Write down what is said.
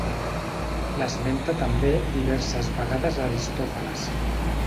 L'esmenta també diverses vegades Aristòfanes.